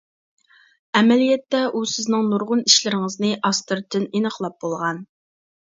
ئەمەلىيەتتە ئۇ سىزنىڭ نۇرغۇن ئىشلىرىڭىزنى ئاستىرتىن ئېنىقلاپ بولغان.